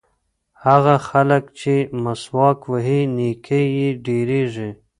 هغه خلک چې مسواک وهي نیکۍ یې ډېرېږي.